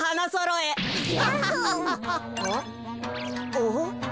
おっ？